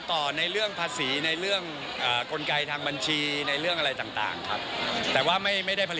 ถ้าคุณตั้งใจคุณพยายามคุณอดทนแล้วคุณอยากทำมันก็ทำได้